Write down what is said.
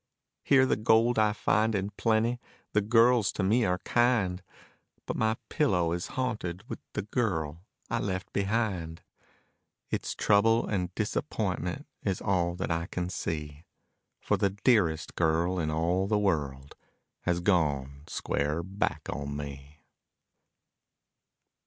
Here the gold I find in plenty, the girls to me are kind, But my pillow is haunted with the girl I left behind. It's trouble and disappointment is all that I can see, For the dearest girl in all the world has gone square back on me.